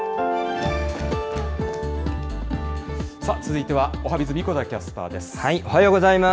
続いてはおはＢｉｚ、神子田キャおはようございます。